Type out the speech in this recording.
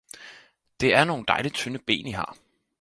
Det er nogle dejlige tynde ben i har